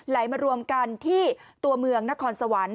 ไหลมารวมกันที่ตัวเมืองนครสวรรค์